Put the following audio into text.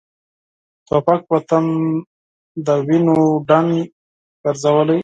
توپک وطن د وینو ډنډ ګرځولی.